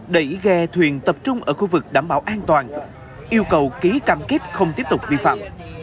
để ghe thuyền tập trung ở khu vực đảm bảo an toàn yêu cầu ký cam kết không tiếp tục vi phạm